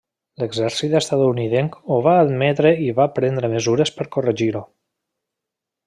L'exèrcit estatunidenc ho va admetre i va prendre mesures per corregir-ho.